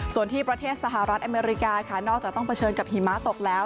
ส่วนที่ประเทศสหรัฐอเมริกาค่ะนอกจากต้องเผชิญกับหิมะตกแล้ว